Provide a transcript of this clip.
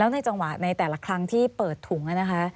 แล้วในจังหวะในแต่ละครั้งที่เปิดถุง